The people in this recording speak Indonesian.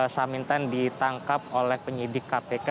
samintan ditangkap oleh penyidik kpk